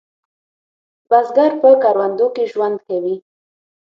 بزګر په کروندو کې ژوند کوي